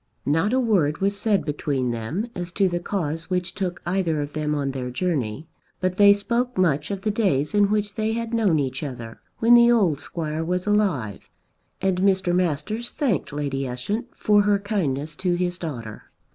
Not a word was said between them as to the cause which took either of them on their journey, but they spoke much of the days in which they had known each other, when the old Squire was alive, and Mr. Masters thanked Lady Ushant for her kindness to his daughter.